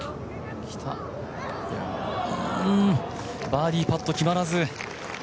バーディーパット決まらず。